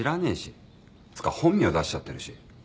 つうか本名出しちゃってるし。